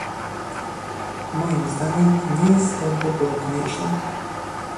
Moim zdaniem nie jest to w ogóle konieczne